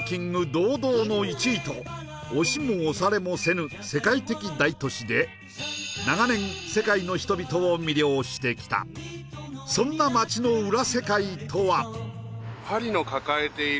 堂々の１位と押しも押されもせぬ世界的大都市で長年世界の人々を魅了してきたそんな街の裏